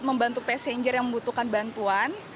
membantu passenger yang membutuhkan bantuan